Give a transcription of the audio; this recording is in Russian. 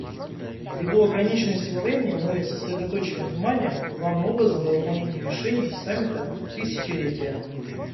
Ввиду ограниченности во времени мы сосредоточим внимание главным образом на выполнении решений Саммита тысячелетия.